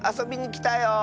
きたよ！